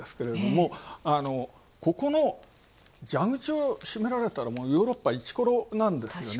ここの蛇口を占められたら、もうヨーロッパイチコロなんですよね。